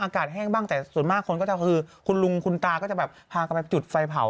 อากาศแห้งบ้างแต่ส่วนมากคนก็จะคือคุณลุงคุณตาก็จะแบบพากันไปจุดไฟเผา